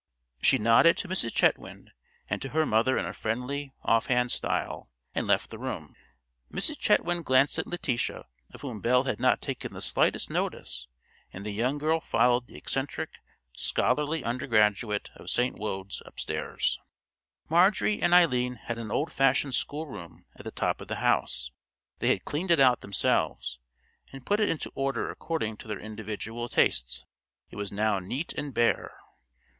She nodded to Mrs. Chetwynd and to her mother in a friendly, offhand style, and left the room. Mrs. Chetwynd glanced at Letitia, of whom Belle had not taken the slightest notice, and the young girl followed the eccentric, scholarly undergraduate of St. Wode's upstairs. Marjorie and Eileen had an old fashioned schoolroom at the top of the house, They had cleaned it out themselves, and put it into order according to their individual tastes. It was now neat and bare.